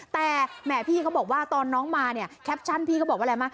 แต่แหมพี่เขาบอกว่าตอนน้องมาเนี่ยแคปชั่นพี่เขาบอกว่าอะไรมั